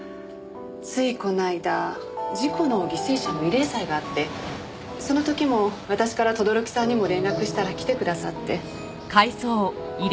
ついこの間事故の犠牲者の慰霊祭があってその時も私から轟さんにも連絡したら来てくださって。